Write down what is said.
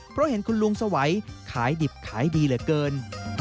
เพราะเห็นคุณลุงสวัยขายดิบขายดีเหลือเกิน